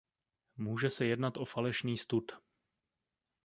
Může se jednat o falešný stud.